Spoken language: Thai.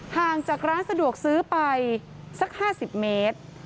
ห่างจากร้านสะดวกซื้อไปสัก๕๐เมตร